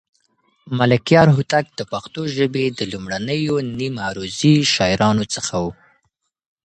ملکیار هوتک د پښتو ژبې د لومړنيو نیم عروضي شاعرانو څخه و.